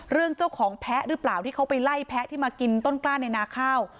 เรื่องของเจ้าของแพะหรือเปล่าที่เขาไปไล่แพะที่มากินต้นกล้าในนาข้าว